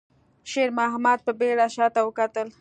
شېرمحمد په بيړه شاته وکتل.